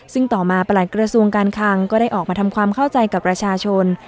ซึ่งต่อมาประหลัดกระทรวงการคังก็ได้ออกมาทำความเข้าใจกับประชาชน